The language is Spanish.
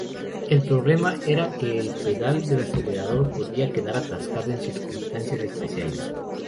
El problema era que el pedal del acelerador podía quedar atascado en circunstancias especiales.